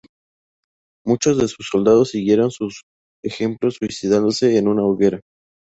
Muchos de sus soldados siguieron su ejemplo suicidándose en una hoguera.